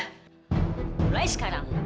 lara mulai sekarang